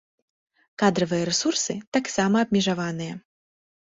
Кадравыя рэсурсы таксама абмежаваныя.